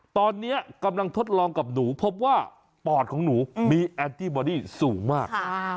ตอนนี้กำลังทดลองกับหนูพบว่าปอดของหนูมีแอนตี้บอดี้สูงมาก